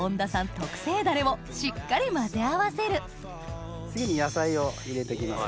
特製ダレをしっかり混ぜ合わせる次に野菜を入れて行きますね。